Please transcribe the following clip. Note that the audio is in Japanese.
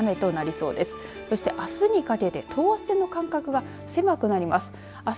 そして、あすにかけて等圧線の間隔が狭くなります。